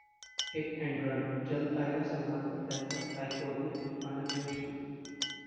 hit and run: जल्द आएगा सलमान पर फैसला, हाई कोर्ट ने लिखवाना किया शुरू